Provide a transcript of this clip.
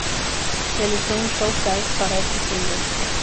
Realizó un Showcase para este single.